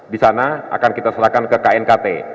di sana akan kita serahkan ke knkt